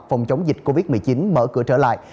phòng chống dịch covid một mươi chín mở cửa trở lại